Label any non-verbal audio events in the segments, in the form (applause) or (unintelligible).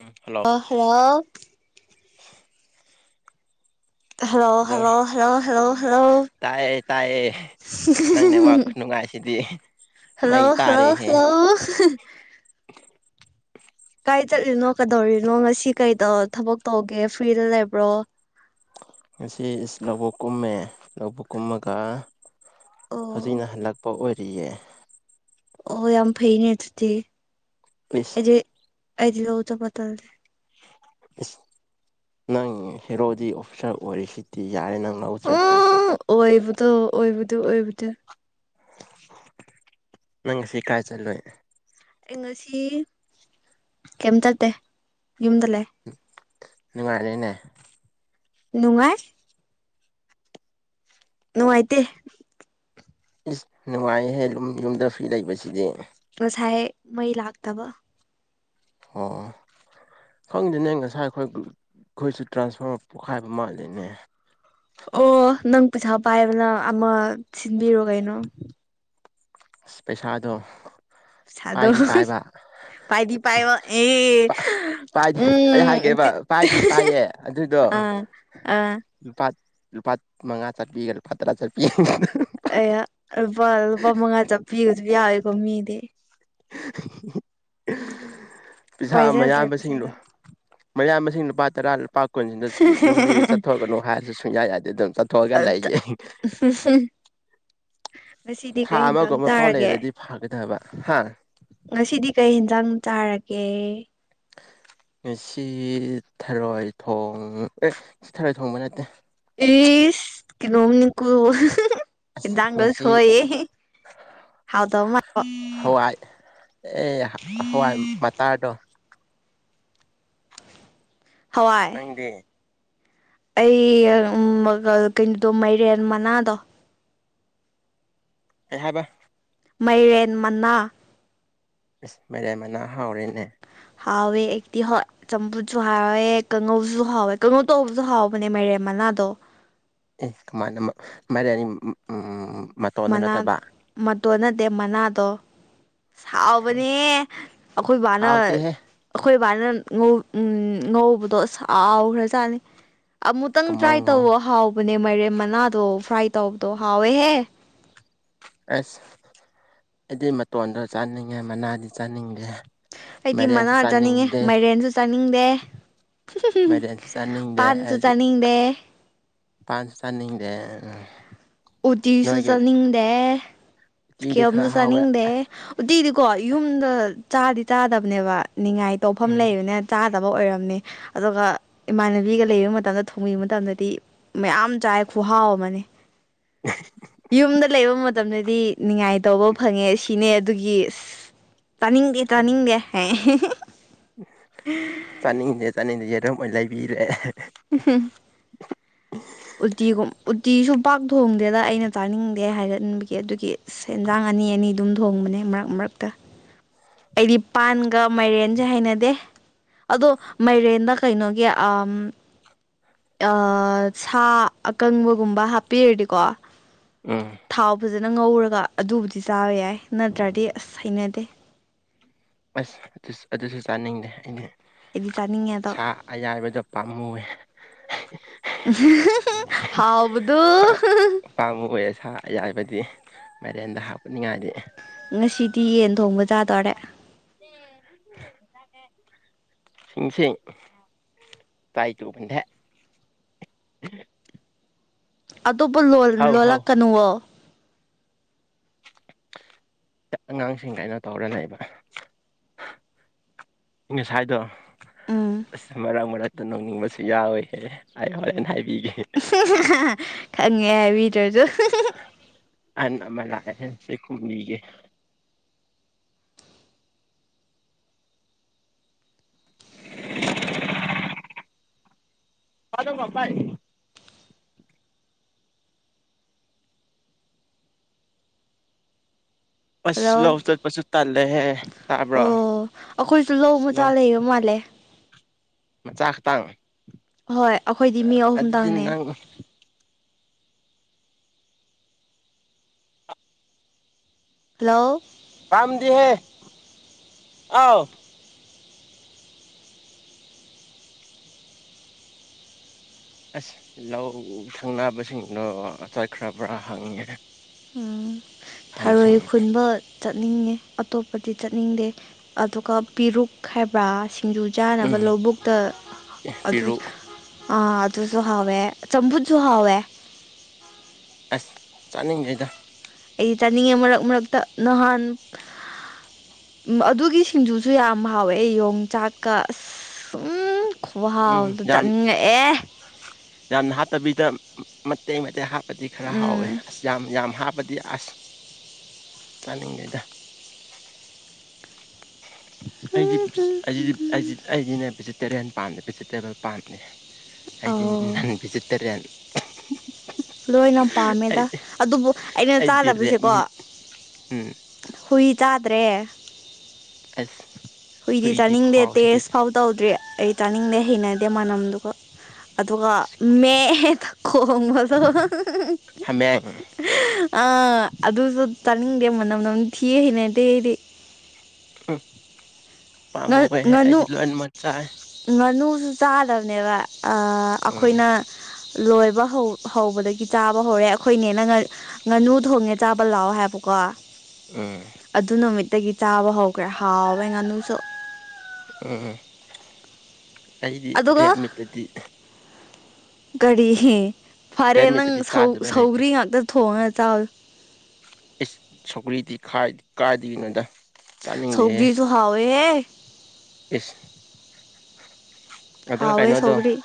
ꯎꯝ hello ꯑꯣ hello hello (unintelligible) hello hello hello hello ꯇꯥꯏꯌꯦ ꯇꯥꯏꯌꯦ ꯅꯪ ꯅꯦꯋꯥꯥꯛ ꯈꯨꯅꯨꯡꯉꯥꯏꯁꯤꯗꯤ ꯃꯩ ꯍꯜꯂꯣ ꯍꯜꯂꯣ ꯇꯥꯔꯦꯍꯦ ꯍꯦꯜꯂꯣ ꯀꯥꯏ ꯆꯠꯂꯤꯅꯣ ꯀꯗꯧꯔꯤꯅꯣ ꯉꯁꯤ ꯀꯩꯗꯧꯔ ꯊꯕꯛ ꯇꯧꯒꯦ ꯐ꯭ꯔꯤꯗ ꯂꯩꯕ꯭ꯔꯣ ꯉꯁꯤ ꯏꯁ ꯂꯧꯕꯨꯛ ꯀꯨꯝꯃꯦ ꯂꯧꯕꯨꯛ ꯀꯨꯝꯃꯒ ꯑꯣ ꯍꯧꯖꯤꯛꯅ ꯍꯜꯂꯛꯄ ꯑꯣꯏꯔꯤꯌꯦ ꯑꯣ ꯌꯥꯝ ꯐꯩꯅꯦ ꯑꯗꯨꯗꯤ ꯏꯁ ꯑꯩꯗꯤ ꯑꯩꯗꯤ ꯂꯧ ꯆꯠꯄ ꯇꯜꯂꯤ ꯏꯁ ꯅꯪ ꯍꯦꯔꯣꯗꯤ ꯑꯣꯐꯤꯁꯥꯔ ꯑꯣꯏꯔꯤꯁꯤꯗꯤ ꯌꯥꯔꯦ ꯅꯪ ꯂꯧ ꯆꯠꯇ꯭ꯔꯁꯨ ꯎꯝ ꯑꯣꯏꯕꯗꯣ ꯑꯣꯏꯕꯗꯣ ꯑꯣꯏꯕꯗꯣ ꯅꯪ ꯉꯁꯤ ꯀꯥꯏ ꯆꯠꯂꯨꯏ ꯑꯩ ꯉꯁꯤ ꯀꯩꯝ ꯆꯠꯇꯦ ꯌꯨꯝꯗ ꯂꯩ ꯑꯦ ꯅꯨꯡꯉꯥꯏꯔꯦꯅꯦ ꯅꯨꯡꯉꯥꯏ ꯅꯨꯡꯉꯥꯏꯇꯦ ꯏꯁ ꯅꯨꯡꯉꯥꯏꯍꯦ ꯌꯨꯝ ꯌꯨꯝꯗ ꯐ꯭ꯔꯤ ꯂꯩꯕꯁꯤꯗꯤ ꯉꯁꯥꯏ ꯃꯩ ꯂꯥꯛꯇꯕ ꯑꯣ ꯈꯪꯗꯦꯅꯦ ꯉꯁꯥꯏ ꯑꯩꯈꯣꯏ ꯑꯩꯈꯣꯏꯁꯨ ꯇ꯭ꯔꯥꯟꯁꯐꯣꯔꯃꯔ ꯄꯣꯛꯈꯥꯏꯕ ꯃꯥꯜꯂꯤꯅꯦ ꯑꯣ ꯅꯪ ꯄꯩꯁꯥ ꯄꯥꯏꯕꯗꯣ ꯑꯃ ꯁꯤꯟꯗꯣꯛꯎꯔꯣ ꯀꯩꯅꯣ ꯑꯁ ꯄꯩꯁꯥꯗꯣ ꯄꯩꯁꯥꯗꯣ ꯄꯥꯏꯗꯤ ꯄꯥꯏꯕ ꯄꯥꯏꯗꯤ ꯄꯥꯏꯕ ꯑꯦ (unintelligible) ꯄꯥꯏꯗꯤ ꯑꯩ ꯎꯝ ꯍꯥꯏꯒꯦꯕ ꯇꯤ ꯄꯥꯏꯗꯤ ꯄꯥꯏꯌꯦ ꯑꯗꯨꯏꯗꯣ ꯑꯥ ꯑꯥ ꯂꯨꯄꯥ ꯂꯨꯄꯥ ꯃꯉꯥ ꯆꯠꯄꯤꯒ ꯂꯨꯄꯥ ꯇꯔꯥ ꯆꯠ ꯄꯤ ꯑꯩꯌꯥ ꯂꯨꯄꯥ ꯂꯨꯄꯥ ꯃꯉꯥ ꯆꯠꯄꯤꯒꯁꯨ ꯌꯥꯎꯋꯦꯀꯣ ꯃꯤꯗꯤ (unintelligible) ꯄꯩꯁꯥ ꯄꯥꯏꯖꯗ꯭ꯔꯦ ꯃꯌꯥꯕꯁꯤꯡꯗꯣ ꯄꯩꯁꯥꯒ ꯃꯌꯥꯝꯕꯁꯤꯡ ꯂꯨꯄꯥ ꯇꯔꯥ ꯂꯨꯄꯥ ꯀꯨꯟꯁꯤꯡꯗꯣ ꯌꯨꯝꯗꯒꯤ ꯆꯠꯊꯣꯛꯀꯅꯨ ꯍꯥꯏꯔꯁꯨ ꯁꯨꯡꯌꯥ ꯌꯥꯗꯦ ꯑꯗꯨꯝ ꯆꯠꯊꯣꯛꯑꯒ ꯑꯗ ꯂꯩꯌꯦ (unintelligible) ꯉꯁꯤꯗꯤ ꯊꯥ ꯀꯩ ꯍꯤꯟꯖꯥꯡ ꯑꯃꯒꯨꯝꯕ ꯐꯥꯎ ꯇꯥꯔꯒꯦ ꯂꯩꯔꯗꯤ ꯐꯒꯗꯕ ꯍꯥ ꯉꯁꯤꯗꯤ ꯀꯩ ꯍꯤꯟꯖꯥꯡ ꯆꯥꯔꯒꯦ ꯁꯤ ꯊꯔꯣꯏ ꯊꯣꯡ ꯑꯦ ꯁꯤ ꯊꯔꯣꯏ ꯊꯣꯡꯕ ꯅꯠꯇꯦ ꯏꯁ ꯀꯩꯅꯣꯅꯤ ꯀꯣ ꯑꯁ ꯏꯟꯁꯪ ꯉꯁꯤ ꯒꯁꯨꯁꯣꯏ ꯍꯋꯥꯏ ꯑꯦ ꯍꯋꯥꯏ ꯃꯇꯥꯗꯣ ꯍꯋꯥꯏ ꯅꯪꯗꯤ ꯑꯩ ꯀꯩꯅꯣꯗꯣ ꯃꯥꯏꯔꯦꯟ ꯃꯅꯥꯗꯣ ꯀꯩ ꯍꯥꯏꯕ ꯃꯥꯏꯔꯦꯟ ꯃꯅꯥ ꯏꯁ ꯃꯌꯥꯏ ꯃꯅꯥ ꯍꯥꯎꯔꯦꯅꯦ ꯍꯋꯦꯑꯩꯗꯤ ꯍꯣꯏ ꯆꯝꯐꯨꯠꯁꯨ ꯍꯥꯎꯋꯦ ꯀꯥꯡꯉꯧꯁꯨ ꯍꯥꯎꯋꯦ ꯀꯥꯡꯉꯧ ꯇꯧꯕꯁꯨ ꯍꯥꯎꯕꯅꯦ ꯃꯥꯏꯔꯦꯝ ꯃꯅꯥꯗꯣ ꯑꯦ ꯀꯃꯥꯟꯅ ꯃꯥꯏꯔꯦꯟ ꯃꯇꯣꯟꯗꯣ ꯃꯅꯥ ꯅꯠꯇꯕ ꯃꯇꯣꯟꯅꯗꯦ ꯃꯅꯥꯗꯣ ꯁꯥꯎꯕꯅꯦ ꯑꯩꯈꯣꯏ ꯕꯥꯅ ꯍꯥꯎꯇꯦꯍꯦ ꯑꯩꯈꯣꯏ ꯕꯥꯅ ꯉꯧ ꯉꯧꯕꯗꯣ ꯁꯥꯎꯈ꯭ꯔꯖꯥꯠꯅꯤ ꯑꯃꯨꯛꯇꯪ ꯀꯃꯥꯏ ꯇ꯭ꯔꯥꯏ ꯉꯧ ꯇꯧꯕ ꯍꯥꯎꯕꯅꯦ ꯃꯥꯏꯔꯦꯝ ꯃꯅꯥꯗꯣ ꯐ꯭ꯔꯥꯏ ꯇꯧꯕꯗꯣ ꯍꯥꯎꯋꯦꯍꯦ ꯑꯁ ꯑꯩꯗꯤ ꯃꯇꯣꯟꯗꯣ ꯆꯥꯅꯤꯡꯉꯦ ꯃꯅꯥꯗꯤ ꯆꯥꯅꯤꯡꯗꯦ ꯑꯩꯗꯤ ꯃꯅꯥ ꯃꯥꯏꯔꯦꯟꯁꯨ ꯆꯥꯅꯤꯡꯉꯦ ꯆꯥꯅꯤꯡꯗꯦ ꯃꯥꯏꯔꯦꯟꯁꯨ ꯆꯥꯅꯤꯡꯗꯦ ꯃꯥꯏꯔꯦꯟꯁꯨ ꯆꯥꯅꯤꯡꯗꯦ ꯄꯥꯟꯁꯨ ꯆꯥꯅꯤꯡꯗꯦ ꯄꯟ ꯆꯥꯅꯤꯡꯗꯦ ꯎꯇꯤꯁꯨ ꯅꯣꯏꯒꯤ ꯆꯥꯅꯤꯡꯗꯦ ꯎꯇꯤꯗꯤ ꯈꯔ ꯁꯤꯀꯤꯌꯝꯁꯨ ꯍꯥꯎꯋꯦ ꯆꯥꯅꯤꯡꯗꯦ ꯎꯇꯤꯗꯤꯀꯣ ꯌꯨꯝꯗ ꯆꯥꯗꯤ ꯆꯥꯗꯕꯅꯦꯕ ꯅꯤꯡꯉꯥꯏ ꯇꯧꯐꯝ ꯎꯝ ꯂꯩꯕꯅꯦ ꯆꯥꯗꯕ ꯑꯣꯏꯔꯝꯅꯤ ꯑꯗꯨꯒ ꯏꯃꯥꯟꯅꯕꯤꯒ ꯂꯩꯕ ꯃꯇꯝꯗ ꯊꯣꯡꯕꯤꯕ ꯃꯇꯝꯗꯗꯤ ꯃꯌꯥꯝ ꯆꯥꯏ ꯈꯨꯍꯥꯎ ꯑꯃꯅꯤ (inaudible) ꯌꯨꯝꯗ ꯂꯩꯕ ꯃꯇꯝꯗꯗꯤ ꯅꯨꯡꯉꯥꯏꯇꯧꯕ ꯐꯪꯉꯦ ꯁꯤꯅꯦ ꯑꯗꯨꯒꯤ ꯑ ꯇꯅꯤꯡꯗꯦ ꯇꯅꯤꯡꯗꯦ ꯆꯥꯅꯤꯡꯗꯦ ꯆꯥꯅꯤꯡꯗꯁꯦ ꯌꯦꯗꯣꯝ ꯑꯣꯏꯅꯥ ꯂꯩꯕꯤꯔꯦ (unintelligible) ꯎꯇꯤꯒꯨꯝ ꯎꯇꯤꯁꯨ ꯄꯥꯛ ꯊꯣꯡꯗꯦꯗ ꯑꯩꯅ ꯆꯥꯅꯤꯡꯗꯦ ꯍꯥꯏꯔꯅꯤꯡꯕꯒꯤ ꯑꯗꯨꯒꯤ ꯁꯦꯟꯖꯥꯡ ꯑꯅꯤ ꯑꯅꯤ ꯑꯗꯨꯝ ꯊꯣꯡꯕꯅꯦ ꯃꯔꯛ ꯃꯔꯛꯇ ꯑꯩꯗꯤ ꯄꯥꯟꯒ ꯃꯥꯏꯔꯦꯟꯁꯦ ꯍꯩꯅꯗꯦ ꯑꯗꯣ ꯃꯥꯏꯔꯦꯟꯗ ꯀꯩꯅꯣꯒꯤ ꯑ ꯑꯥ ꯁꯥ ꯑꯀꯪꯕꯒꯨꯝꯕ ꯍꯥꯞꯄꯤꯔꯗꯤꯀꯣ ꯎꯝ ꯊꯥꯎ ꯐꯖꯅ ꯉꯧꯔꯒ ꯑꯗꯨꯕꯨꯗꯤ ꯆꯥꯕ ꯌꯥꯏ ꯅꯠꯇ꯭ꯔꯗꯤ ꯑꯁ ꯍꯩꯅꯗꯦ ꯑꯁ ꯑꯗꯨ ꯑꯗꯨꯁꯨ ꯆꯥꯅꯤꯡꯗꯦ ꯑꯩꯗꯤ ꯑꯩꯗꯤ ꯆꯥꯅꯤꯡꯉꯦꯗꯣ ꯁꯥ ꯑꯌꯥꯏꯕꯗꯣ ꯄꯥꯝꯃꯨꯏ ꯍꯥꯎꯕꯗꯣ ꯑꯄꯥꯝꯕ ꯑꯣꯏꯌꯦ ꯁꯥ ꯑꯌꯥꯏꯕꯗꯤ ꯃꯥꯏꯔꯦꯟꯗ ꯍꯥꯞꯄꯅꯤꯡꯉꯥꯏꯗꯤ ꯉꯁꯤꯗꯤ ꯌꯦꯟ ꯊꯣꯡꯕꯖꯥꯗꯔꯦ (inaudible) ꯁꯤꯡꯁꯤ ꯇꯥꯏ ꯇꯨꯕꯗꯦ (inaudible) ꯑꯗꯨꯕꯨ ꯂꯣꯜ ꯍꯧ ꯍꯧ ꯂꯣꯜꯂꯛꯀꯅꯨꯋꫭ ꯑꯉꯥꯡꯁꯤꯡ ꯀꯩꯅꯣ ꯇꯧꯔꯅꯦꯕ ꯉꯁꯥꯏꯗꯣ ꯎꯝ ꯑꯁ ꯃꯔꯛ ꯃꯔꯛ ꯑꯗꯨ ꯅꯧꯅꯤꯡꯕꯁꯨ ꯌꯥꯎꯋꯤꯍꯦ ꯑꯩ ꯍꯣꯔꯦꯟꯦꯟ ꯍꯥꯏꯕꯤꯒꯦ ꯈꯪꯉꯦ ꯍꯥꯏꯕꯤꯗ꯭ꯔꯁꯨ ꯑꯅ (unintelligible) ꯑꯃꯂꯁꯦ ꯈꯨꯝꯂꯤꯒꯦ ꯍꯜꯂꯣꯃꯄꯥꯏ (unintelligible) ꯑꯁ ꯍꯜꯂꯣ ꯂꯧ ꯆꯠꯄꯁꯨ ꯇꯜꯂꯦꯍꯦ ꯇꯥꯕ꯭ꯔꯣ ꯑꯁ ꯂꯧ ꯃꯥꯂꯦ (unintelligible) ꯃꯆꯥ ꯈꯛꯇꯪ ꯍꯣꯏ ꯑꯩꯈꯣꯏꯗꯤ ꯃꯤ ꯑꯍꯨꯝꯗꯪꯅꯦ ꯅꯪ ꯍꯜꯂꯣ ꯄꯝꯗꯤꯍꯦ ꯑꯥꯎ ꯑꯁ ꯂꯧ ꯁꯪꯅꯕꯁꯤꯡꯗꯣ ꯑꯆꯥꯥꯏꯈ꯭ꯔꯕ꯭ꯔꯥ ꯍꯪꯉꯦ ꯎꯝ ꯊꯔꯣꯏ ꯑꯍꯟꯁꯤꯡꯅ ꯈꯨꯨꯟꯕ ꯆꯠꯅꯤꯡꯉꯦ ꯑꯇꯣꯞꯄꯗꯤ ꯆꯠꯅꯤꯡꯗꯦ ꯑꯗꯨꯒ ꯄꯦꯔꯨꯛ ꯍꯥꯏꯕ꯭ꯔꯥ ꯁꯤꯡꯖꯨ ꯆꯥꯅꯕ ꯎꯝ ꯂꯧꯕꯨꯛꯇ ꯑꯗꯨ ꯄꯤꯔꯨꯛ ꯑ ꯑꯗꯨꯁꯨꯨ ꯍꯥꯎꯋ‌ꯦ ꯆꯝꯐꯨꯖꯁꯨ ꯍꯥꯎꯋꯦ ꯑꯁ ꯆꯠꯅꯤꯡꯗ‌ꯦꯗ ꯑꯩ ꯆꯥꯅꯤꯡꯉꯦ ꯃꯔꯛ ꯃꯔꯛꯇ ꯅꯍꯥꯟ ꯎꯝ ꯑꯗꯨꯒꯤ ꯁꯤꯡꯖꯨꯁꯨ ꯌꯥꯝ ꯍꯥꯎꯋꯦ ꯌꯣꯡꯆꯥꯛꯀ ꯑꯝ ꯎꯝ ꯈꯨꯍꯥꯎꯗꯣ ꯌꯥꯝ ꯆꯥꯅꯤꯡꯉꯛꯑꯦ ꯌꯥꯝꯅ ꯍꯥꯠꯇꯕꯤꯗ ꯃꯇꯦꯛ ꯃꯇꯦꯛ ꯍꯥꯞꯄ ꯗꯤ ꯈꯔ ꯍꯥꯎꯋꯦ ꯎꯝ ꯑꯁ ꯌꯥꯝ ꯌꯥꯝ ꯍꯥꯞꯕꯗꯤ ꯑꯁ ꯆꯥꯅꯤꯡꯗ‌ꯦꯗ ꯑꯩꯗꯤ ꯑꯩ ꯑꯩꯗꯤꯅꯦ ꯚꯦꯖꯤꯇꯦꯔꯤꯌꯥꯟ ꯄꯥꯝꯗ‌ꯦ ꯚꯦꯖꯤꯇꯦꯔꯤꯌꯥꯟ ꯄꯥꯝꯗ‌ꯦ ꯑꯩꯗꯤ ꯑꯧ ꯅ‌ꯦꯟ ꯚꯖꯤꯇ‌ꯦꯔꯤꯌꯥꯟ ꯂꯣꯏꯅ ꯄꯥꯝꯃꯦꯗ ꯑꯩꯗꯤ ꯑꯗꯨꯕꯨ ꯑꯩꯅ ꯑꯩꯗꯤ ꯔꯦꯠ ꯆꯥꯗꯕꯁꯦꯀꯣ ꯃꯤꯠ ꯎꯝ ꯍꯨꯏ ꯆꯥꯗ꯭ꯔꯦ ꯑꯁ ꯍꯨꯏꯗꯤ ꯆꯥꯅꯤꯡꯗꯦ ꯇꯦꯁ ꯐꯥꯎ ꯇꯧꯗ꯭ꯔꯤ ꯑꯩ ꯆꯥꯅꯤꯡꯗꯦ ꯍꯩꯅꯗꯦ ꯃꯅꯝꯗꯨꯒ ꯑꯗꯨꯒ ꯃꯦꯗ ꯈꯣꯡꯕꯗꯣ ꯍꯥꯃꯦꯡ ꯑꯥ ꯑꯗꯨꯁꯨ ꯆꯥꯅꯤꯡꯗꯦ ꯃꯅꯝ ꯅꯝꯗꯤ ꯊꯤ ꯍꯩꯅ ꯑꯇꯩ ꯑꯩꯗꯤ ꯎꯝ ꯄꯥꯝꯃꯨꯕꯩ ꯉꯥꯅꯨ ꯑꯩꯗꯤ ꯂꯣꯏꯃꯛ ꯆꯥꯏ ꯉꯥꯅꯨꯁꯨ ꯆꯥꯗꯕꯅꯦꯕ ꯑꯥ ꯎꯝ ꯑꯩꯈꯣꯏꯅ ꯂꯣꯏꯕ ꯍꯧꯕꯗꯒꯤ ꯆꯥꯕ ꯍꯧꯔꯦ ꯑꯩꯈꯣꯏꯅꯦꯅ ꯉꯥꯅꯨ ꯊꯣꯡꯉꯦ ꯆꯥꯕ ꯂꯥꯛꯑꯣ ꯍꯥꯏꯕꯀꯣ ꯎꯝ ꯑꯗꯨ ꯅꯨꯃꯤꯠꯇꯒꯤ ꯆꯥꯕ ꯍꯧꯈ꯭ꯔꯦ ꯍꯥꯎꯕꯩ ꯉꯥꯅꯨꯁꯨ ꯎꯝ ꯑꯩꯗꯤ ꯔꯦꯠꯃꯤꯠꯇꯗꯤ ꯀꯔꯤꯒꯤ ꯐꯔꯦ ꯔꯦꯠ ꯅꯪ ꯃꯤꯠꯇꯗꯤ ꯁꯧ ꯆꯥꯗꯕ ꯂꯩꯇꯦ ꯁꯧꯔꯤ ꯉꯥꯛꯇ ꯊꯣꯡꯉꯥ ꯆꯥꯎ ꯏꯁ ꯁꯧꯀ꯭ꯔꯤꯗꯤ ꯀꯥꯏꯗꯒꯤꯅꯣꯗ ꯆꯥꯅꯤꯡꯗꯦꯍꯦ ꯁꯧꯒꯔꯤꯁꯨ ꯍꯥꯋꯦꯍ‌ ꯏꯁ ꯑꯗꯨꯒ ꯍꯥꯎꯋꯦ ꯀꯩꯅꯣꯗꯣ ꯁꯧꯒ꯭ꯔꯤ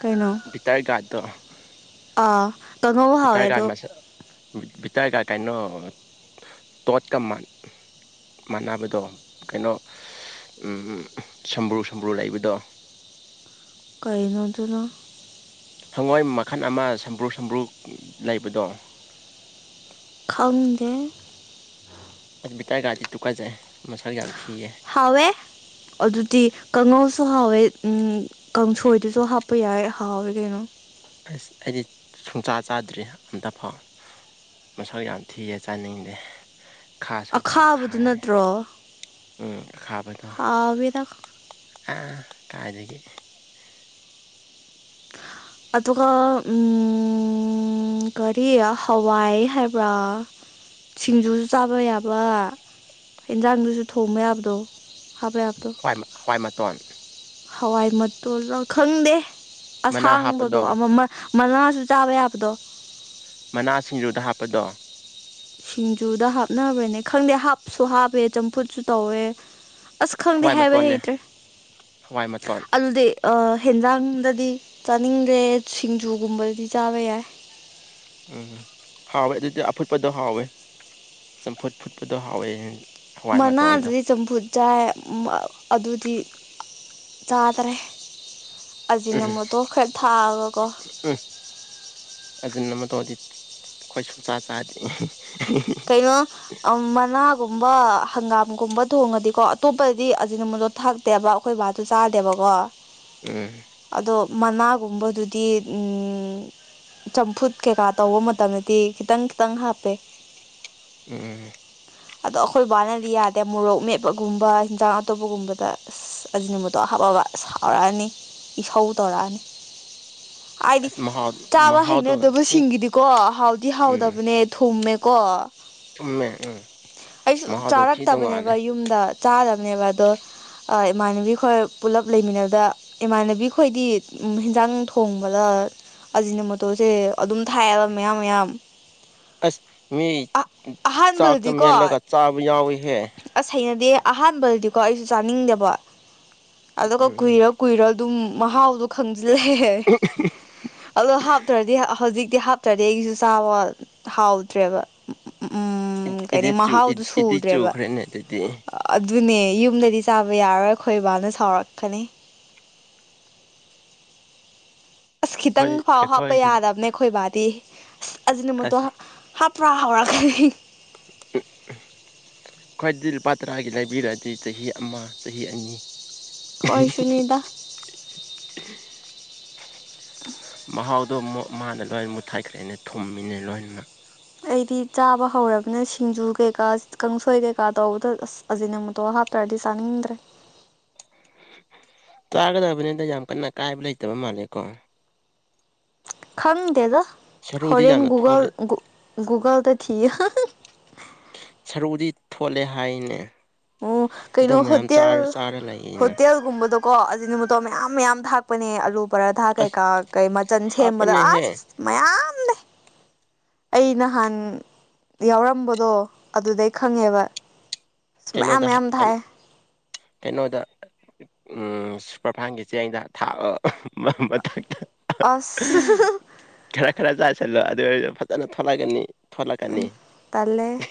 ꯀꯩꯅꯣ ꯚꯕꯤꯇꯔ ꯒꯥꯔꯠꯇꯣ (unintelligible) ꯑꯥ ꯀꯥꯡꯉꯧ ꯍꯥꯎꯋꯦ ꯕꯤꯇꯔꯒꯥꯟ ꯑꯗꯣ ꯃꯁꯦ ꯕꯤꯇꯔꯒ ꯀꯩꯅꯣ ꯇꯣꯠ ꯀꯃꯥꯟ ꯃꯥꯟꯅꯕꯗꯣ ꯀꯩꯅꯣ ꯁꯝꯕ꯭ꯔꯨ ꯁꯝꯕ꯭ꯔꯨ ꯂꯩꯕꯗꯣ ꯀꯩꯅꯣ ꯑꯗꯨꯅ ꯍꯪꯉꯣꯏ ꯃꯈꯜ ꯑꯃ ꯁꯝꯕ꯭ꯔꯨ ꯁꯝꯕ꯭ꯔꯨ ꯂꯩꯕꯗꯣ ꯈꯪꯗꯦ ꯑꯁꯕꯤꯇꯥꯔ ꯒꯥꯗꯤ ꯇꯨꯒꯥꯖꯩ ꯃꯁꯜ ꯌꯥꯝ ꯊꯤꯌꯦ ꯍꯥꯎꯋꯦ ꯑꯗꯨꯗꯤ ꯀꯥꯡꯉꯧꯁꯨ ꯍꯥꯎꯋꯦ ꯀꯥꯡꯁꯣꯏꯗꯨꯁꯨ ꯍꯥꯞꯄ ꯌꯥꯏ ꯍꯥꯎꯋꯦ ꯀꯩꯅꯣ ꯑꯁ ꯑꯩꯗꯤ ꯁꯨꯡꯆꯥ ꯆꯥꯗ꯭ꯔꯤ ꯑꯝꯇ ꯐꯥꯎ ꯃꯁꯛ ꯌꯥꯝ ꯊꯤꯌꯦ ꯆꯥꯅꯤꯡꯗꯦ ꯈꯥꯁꯨ ꯌꯥꯝ ꯑꯈꯥꯕꯗꯨ ꯈꯥꯏ ꯅꯠꯇ꯭ꯔꯣ ꯎꯝ ꯑꯈꯥꯕꯗꯣ ꯍꯥꯎꯋꯦꯗ ꯑ ꯀꯥꯏꯗꯒꯤ ꯑꯗꯨꯒ ꯎꯝ ꯎꯝ ꯀꯔꯤ ꯍꯋꯥꯏ ꯍꯥꯏꯕ꯭ꯔꯥ ꯁꯤꯡꯖꯨꯁꯨ ꯆꯥꯕ ꯌꯥꯕ ꯑꯦꯟꯖꯥꯡꯗꯨꯁꯨ ꯊꯣꯡꯕ ꯌꯥꯕꯗꯣ ꯍꯥꯞꯕ ꯌꯥꯕ ꯍꯋꯥꯏ ꯍꯋꯥꯏ ꯃꯇꯣꯟ ꯍꯋꯥꯏ ꯃꯇꯣꯂ ꯈꯪꯗꯦ ꯃꯅꯥ ꯑꯁꯥꯡꯕꯗꯣ ꯍꯥꯞꯄꯗꯣ ꯑꯃꯃ ꯃꯅꯥꯥꯁꯨ ꯆꯥꯕ ꯌꯥꯕꯗꯣ ꯃꯅꯥ ꯁꯤꯡꯖꯨꯗ ꯍꯥꯞꯄꯗꯣ ꯁꯤꯡꯖꯨꯗ ꯍꯥꯞꯅꯕ꯭ꯔꯅꯦ ꯈꯪꯗꯦ ꯍꯥꯞꯁꯨ ꯍꯥꯞꯄꯦ ꯆꯝꯐꯨꯠꯁꯨ ꯇꯧꯋꯦ ꯑꯁ ꯈꯪꯗꯦ ꯍꯋꯥꯏ ꯍꯥꯏꯕ ꯃꯇꯣꯟꯅꯦ ꯍꯩꯇ꯭ꯔꯦ ꯍꯋꯥꯏ ꯃꯇꯣꯟ ꯑꯗꯨꯗꯤ ꯑ ꯍꯦꯟꯖꯥꯡꯗꯗꯤ ꯆꯥꯅꯤꯡꯗ꯭ꯔꯦ ꯁꯤꯡꯖꯨꯒꯨꯝꯕꯗꯗꯤ ꯆꯥꯕ ꯌꯥꯏ ꯎꯝ ꯍꯥꯎꯋꯦ ꯑꯗꯨꯗꯤ ꯑꯐꯨꯠꯄꯗꯣ ꯍꯥꯎꯋꯦ ꯆꯝꯐꯨꯠ ꯐꯨꯠꯄꯗꯣ ꯍꯥꯎꯋꯦ ꯍꯋꯥꯏ ꯃꯅꯥ ꯃꯇꯣꯟꯗꯣ ꯑꯗꯨꯗꯤ ꯆꯝꯐꯨꯠ ꯆꯥꯏ ꯑꯗꯨꯗꯤ ꯆꯥꯗ꯭ꯔꯦ ꯑꯖꯤꯅ ꯎꯝ ꯃꯣꯠꯇꯣ ꯈꯔ ꯊꯥꯛꯑꯕꯀꯣ ꯎꯝ ꯑꯖꯤꯅ ꯃꯣꯠꯇꯣꯗꯤ ꯑꯩꯈꯣꯏ ꯁꯨꯡꯆꯥ ꯆꯥꯗꯦ ꯀꯩꯅꯣ ꯃꯅꯥꯒꯨꯝꯕ ꯍꯪꯒꯥꯝꯒꯨꯝꯕ ꯊꯣꯡꯉꯗꯤꯀꯣ ꯑꯇꯣꯞꯄꯗꯗꯤ ꯑꯖꯤꯅ ꯃꯣꯠꯇꯣ ꯊꯥꯛꯇꯦꯕ ꯑꯩꯈꯣꯏ ꯕꯥꯁꯨ ꯆꯥꯗꯦꯕꯀꯣ ꯎꯝ ꯑꯗꯣ ꯃꯅꯥꯒꯨꯝꯕꯗꯨꯗꯤ ꯎꯝ ꯆꯝꯐꯨꯠ ꯀꯩꯀꯥ ꯇꯧꯕ ꯃꯇꯝꯗꯗꯤ ꯈꯤꯇꯪ ꯈꯤꯇꯪ ꯍꯥꯞꯄꯦ ꯎꯝ ꯑꯗꯣ ꯑꯩꯈꯣꯏ ꯕꯥꯅꯗꯤ ꯌꯥꯗꯦ ꯃꯣꯔꯣꯛ ꯃꯦꯠꯄꯒꯨꯝꯕ ꯍꯟꯖꯥꯡ ꯑꯇꯣꯞꯄꯒꯨꯝꯕꯗ ꯑꯁ ꯑꯁ ꯑꯖꯤꯅ ꯃꯣꯠꯇꯣꯗꯨ ꯍꯥꯞꯄꯕ ꯁꯥꯎꯔꯛꯑꯅꯤ ꯏꯁꯧ ꯇꯧꯔꯛꯑꯅꯤ ꯍꯥꯏꯗꯤ ꯑꯁ ꯃꯍꯥꯎ ꯆꯥꯕ ꯃꯍꯥꯎꯗꯣ ꯊꯤ ꯍꯩꯅꯗꯕꯁꯤꯡꯒꯤꯗꯤꯀꯣ ꯍꯥꯎꯗꯤ ꯍꯥꯎꯗꯕꯅꯦ ꯊꯨꯝꯃꯦꯀꯣ ꯊꯨꯝꯃꯦ ꯎꯝ ꯑꯩꯁꯨ ꯃꯍꯥꯎꯗꯣ ꯊꯤ ꯆꯥꯔꯛꯇꯕꯅꯦꯕ ꯇꯣꯡꯉꯥꯜꯂꯦ ꯌꯨꯝꯗ ꯆꯥꯗꯕꯅꯦꯕ ꯑꯗꯣ ꯑꯤꯏ ꯏꯃꯥꯟꯅꯕꯤ ꯈꯣꯏ ꯄꯨꯜꯂꯞ ꯂꯩꯃꯤꯟꯅꯕꯗ ꯏꯃꯥꯟꯅꯕꯤ ꯈꯣꯏꯗꯤ ꯎꯝ ꯍꯤꯟꯖꯥꯡ ꯊꯣꯡꯕꯗ ꯑꯖꯤꯅ ꯃꯣꯠꯇꯣꯁꯦ ꯑꯗꯨꯝ ꯊꯥꯛꯑꯦꯕ ꯃꯌꯥꯝ ꯃꯌꯥꯝ ꯑꯁ ꯃꯤ ꯆꯥꯛꯇ ꯑꯍꯥꯟꯕꯗꯗꯤꯀꯣ ꯃꯦꯜꯂꯒ ꯆꯥꯕ ꯌꯥꯎꯋꯤꯍꯦ ꯑꯁ ꯍꯩꯅꯗꯦ ꯑꯍꯥꯟꯕꯗꯤꯀꯣ ꯑꯩꯁꯨ ꯆꯥꯅꯤꯡꯗꯦꯕ ꯑꯗꯨꯒ ꯎꯝ ꯀꯨꯏꯔ ꯀꯨꯏꯔ ꯑꯗꯨꯝ ꯃꯍꯥꯎꯗꯣ ꯈꯪꯖꯤꯜꯂꯦ ꯑꯗꯣ ꯍꯥꯞꯇ꯭ꯔꯗꯤ ꯍꯧꯖꯤꯛꯇꯤ ꯍꯥꯞꯇ꯭ꯔꯗꯤ ꯑꯩꯖꯨ ꯆꯥꯕ ꯍꯥꯎꯇ꯭ꯔꯦꯕ ꯎꯝ ꯏꯗꯤꯛ ꯆꯨ ꯏꯗꯤꯛ ꯆꯨꯈ꯭ꯔꯦꯅꯦ ꯑꯗꯨꯗꯤ ꯑꯗꯨꯅꯦ ꯌꯨꯝꯗꯗꯤ ꯆꯥꯕ ꯌꯥꯔꯣꯏ ꯈꯣꯏ ꯕꯥꯅ ꯁꯥꯎꯔꯛꯀꯅꯤ ꯑꯁ ꯑꯩꯈꯣꯏ ꯈꯤꯇꯪꯐꯥꯎ ꯍꯥꯞꯄ ꯑꯩꯈꯣꯏꯗ ꯌꯥꯗꯕꯅꯦ ꯑꯈꯣꯢ ꯕꯥꯗꯤ ꯑꯁ ꯑꯖꯤꯅ ꯃꯣꯇꯣ ꯍꯥꯞ ꯍꯥꯞ (unintelligible) ꯈꯣꯢꯗꯤ ꯂꯨꯄꯥ ꯇꯔꯥꯒꯤ ꯂꯩꯕꯤꯔꯗꯤ ꯆꯍꯤ ꯑꯃꯥ ꯆꯍꯤ ꯑꯅꯤ ꯈꯣꯏꯁꯨꯅꯤꯗ (unintelligible) (unintelligible) ꯃꯍꯥꯎꯗꯣ ꯃꯨꯛ ꯃꯥꯅ ꯂꯣꯏꯅ ꯃꯨꯠꯊꯠꯈꯔ꯭ꯤꯅꯦ ꯊꯨꯝꯃꯤꯅꯦ ꯂꯣꯏꯅꯃꯛ ꯑꯩꯗꯤ ꯆꯥꯕ ꯍꯧꯔꯕꯅ ꯁꯤꯡꯖꯨ ꯀꯩꯀꯥ ꯀꯥꯡꯁꯣꯏ ꯀꯩꯀꯥ ꯇꯧꯕꯗ ꯑꯁ ꯑꯖꯤꯅ ꯃꯨꯇꯣ ꯍꯥꯞꯇ꯭ꯔꯗꯤ ꯆꯥꯅꯤꯡꯗ꯭ꯔꯦ ꯆꯥꯒꯗꯕꯅꯤꯅ ꯌꯥꯝ ꯀꯟꯅ ꯀꯥꯏꯕ ꯂꯩꯇꯕ ꯃꯥꯜꯂꯦꯀꯣ ꯈꯪꯗꯦꯗ ꯁꯔꯨꯗꯤ ꯍꯣꯔꯦꯟ ꯌꯥꯝꯅ ꯒꯨꯒꯜ ꯊꯣꯜꯂꯤ ꯒꯨꯒꯜꯗ ꯊꯤꯌꯨ ꯁꯔꯨꯗꯤ ꯊꯣꯠꯂꯦ ꯍꯥꯏꯅꯦ ꯎꯝ ꯑꯗꯨ ꯀꯩꯅꯣ ꯃꯌꯥꯝ ꯍꯣꯇꯦꯜ ꯆꯥꯔ ꯆꯥꯔ ꯂꯩꯌꯦꯅ ꯍꯣꯇꯦꯜꯒꯨꯝꯕꯗꯣ ꯀꯣ ꯑꯖꯤꯅ ꯃꯣꯇꯣ ꯃꯌꯥꯝ ꯃꯌꯥꯝ ꯊꯥꯛꯄꯅꯦ ꯑꯥꯂꯨ ꯄꯔꯊꯥ ꯑꯁ ꯀꯩꯀꯥ ꯀꯩ ꯃꯆꯟ ꯁꯦꯝꯕꯗ ꯑꯁ ꯍꯥꯞꯄꯅꯦꯍꯦ ꯃꯌꯥꯝꯅꯦ ꯑꯩ ꯅꯍꯥꯟ ꯌꯥꯎꯔꯝꯕꯗꯣ ꯑꯗꯨꯗꯩ ꯈꯪꯉꯦꯕ ꯑꯁ ꯃꯌꯥꯝ ꯀꯩꯅꯣꯗ ꯃꯌꯥꯝ ꯍꯥꯞꯄꯦ ꯊꯥꯛꯑꯦ ꯀꯩꯅꯣꯗ ꯑꯥ ꯁꯨꯄꯔꯐꯥꯢꯟꯒꯤ ꯆꯦꯡꯗ ꯊꯥ ꯑꯁ (unintelligible) ꯈꯔ ꯈꯔ ꯆꯥꯁꯤꯜꯂꯣ ꯑꯗꯨ ꯑꯣꯏꯔꯁꯨ ꯐꯖꯅ ꯊꯣꯠꯂꯛꯀꯅꯤ ꯊꯣꯂꯛꯀꯅꯤ ꯇꯜꯂꯦ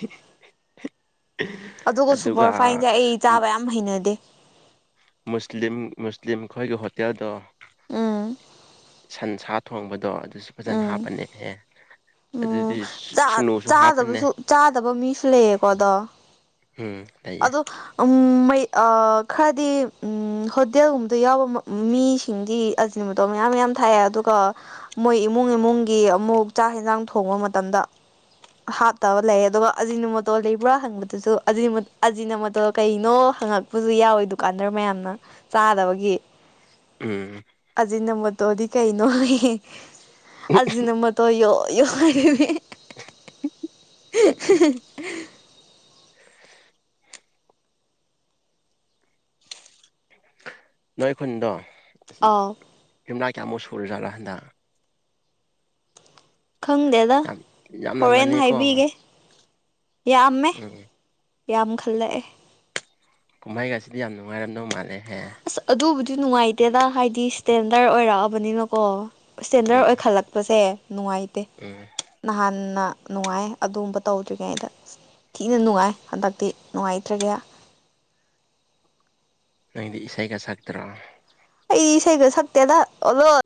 ꯑꯗꯨꯒ ꯁꯨꯄꯔꯐꯥꯏꯟꯁꯦ ꯑꯩ ꯆꯥꯕ ꯌꯥꯝ ꯍꯩꯅꯗꯦ ꯃꯨꯁꯂꯤꯝ ꯃꯨꯁꯂꯤꯝꯈꯣꯏꯒꯤ ꯍꯣꯇꯦꯜꯗꯣ ꯎꯝ ꯁꯟꯁꯥ ꯊꯣꯡꯕꯗꯣ ꯑꯗꯨꯁꯨ ꯐꯖꯅ ꯎꯝ ꯍꯥꯞꯄꯅꯦꯍꯦ ꯎꯝ ꯑꯗꯨꯗꯤ ꯆꯥ ꯁꯨꯅꯨꯁꯨ ꯍꯥꯞꯄꯅꯦ ꯆꯥꯗꯕꯁꯨ ꯆꯥꯗꯕ ꯃꯤꯁꯨ ꯂꯩꯌꯦꯀꯣ ꯑꯗꯣ ꯎꯝ ꯂꯩꯌꯦ ꯑꯗꯣ ꯎꯝ ꯃꯩ ꯑꯥ ꯈꯗꯤ ꯎꯝ ꯍꯣꯇꯦꯜꯒꯨꯝꯕꯗ ꯌꯥꯎꯔꯝꯕ ꯃꯤꯁꯤꯡꯗꯤ ꯑꯖꯤꯅ ꯃꯣꯇꯣ ꯃꯌꯥꯝ ꯃꯌꯥꯝ ꯊꯥꯛꯑꯦ ꯑꯗꯨꯒ ꯃꯣꯏ ꯏꯃꯨꯡ ꯏꯃꯨꯡꯒꯤ ꯑꯃꯨꯛ ꯆꯥꯛ ꯍꯦꯟꯖꯥꯡ ꯊꯣꯡꯕ ꯃꯇꯝꯗ ꯍꯥꯞꯇꯕ ꯂꯩꯌꯦ ꯑꯗꯨꯒ ꯑꯖꯤꯅ ꯃꯣꯇꯣ ꯂꯩꯕ꯭ꯔꯥ ꯍꯪꯕꯗꯨꯁꯨ (unintelligible) ꯑꯖꯤꯅ ꯃꯣꯇꯣ ꯀꯩꯅꯣ ꯍꯪꯉꯛꯄꯁꯨ ꯌꯥꯎꯋꯤ ꯗꯨꯀꯥꯟꯗꯔ ꯃꯌꯥꯝꯅ ꯆꯥꯗꯕꯒꯤ ꯎꯝ ꯑꯖꯤꯅ ꯃꯣꯇꯣꯗꯤ ꯀꯩꯅꯣ ꯍꯥꯢꯌꯦ ꯑꯖꯤꯅ ꯃꯣꯠ ꯇꯣ (unintelligible) (unintelligible) (unintelligible) ꯅꯣꯏ ꯈꯨꯟꯗꯣ ꯑꯥꯎ ꯌꯨꯝꯂꯥꯢ ꯀꯌꯥꯃꯨꯛ ꯁꯨꯔꯖꯥꯠꯔ ꯍꯟꯗꯛ ꯈꯪꯗꯦꯗ ꯌꯥꯝ ꯍꯣꯔꯦꯟ ꯌꯥꯝꯂꯝꯃꯅꯤꯀꯣ ꯍꯥꯏꯕꯤꯒꯦ ꯌꯥꯝꯃꯦ ꯎꯝ ꯌꯥꯝꯈꯠꯂꯛꯑꯦ ꯀꯨꯝꯍꯩꯒꯁꯤꯗꯤ ꯌꯥꯝ ꯅꯨꯡꯉꯥꯏꯔꯝꯗꯧ ꯃꯥꯜꯂꯦꯍꯦ ꯑꯁ ꯑꯗꯨꯕꯨꯗꯤ ꯅꯨꯡꯉꯥꯏꯇꯦꯗ ꯍꯥꯏꯗꯤ ꯁ꯭ꯇꯦꯟꯗꯔꯠ ꯑꯣꯏꯔꯛꯑꯕꯅꯤꯅꯀꯣ ꯏꯁꯇꯦꯟꯗꯔꯠ ꯎꯝ ꯑꯣꯏꯈꯠꯂꯛꯄꯁꯦ ꯅꯨꯡꯉꯥꯏꯇꯦ ꯎꯝ ꯅꯍꯥꯟꯅ ꯅꯨꯡꯉꯥꯏ ꯑꯗꯨꯝꯕ ꯇꯧꯗ꯭ꯔꯤꯉꯩꯗ ꯊꯤꯅ ꯅꯨꯡꯉꯥꯏ ꯍꯟꯗꯛꯇꯤ ꯅꯨꯡꯉꯥꯏꯇ꯭ꯔꯒꯦ ꯅꯪꯗꯤ ꯏꯁꯩꯒ ꯁꯛꯇ꯭ꯔꯣ ꯑꯩꯗꯤ ꯏꯁꯩꯒ ꯁꯛꯇꯦꯗ ꯑꯣꯜꯂꯣ